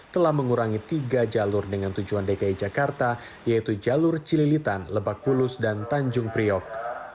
telah mengurangi tiga jalur dengan tujuan dki jakarta yaitu jalur cililitan lebak bulus dan tanjung priok